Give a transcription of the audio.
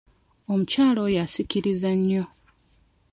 Omukyala oyo asikiriza nnyo.